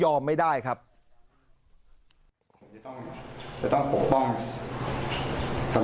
เรื่องนี้นะครับพันธบทเอก